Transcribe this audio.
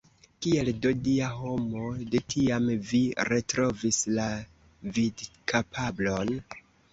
Kiel do, Dia homo, de tiam vi retrovis la vidkapablon?